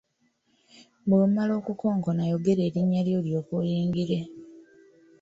Bw’omala okukonkona yogera erinnya lyo olyoke oyingire.